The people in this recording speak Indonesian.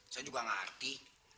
saya juga ngerti